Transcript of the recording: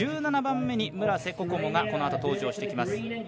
１７番目に村瀬心椛がこのあと登場してきます。